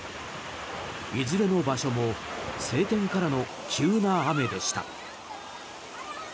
いずれの場所も晴天からの急な雨でした。